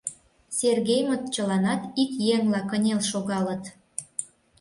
Сергеймыт чыланат ик еҥла кынел шогалыт.